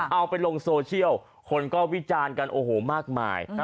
เอาไปลงโซเชียลคนก็วิจารณ์กันโอ้โหมากมาย